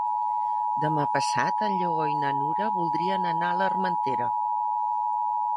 Demà passat en Lleó i na Nura voldrien anar a l'Armentera.